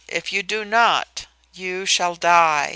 If you do not, you shall die."